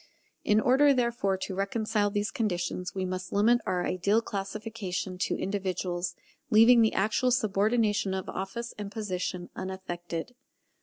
In order, therefore, to reconcile these conditions, we must limit our ideal classification to individuals, leaving the actual subordination of office and position unaffected.